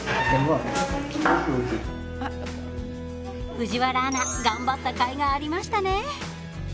藤原アナ頑張ったかいがありましたね。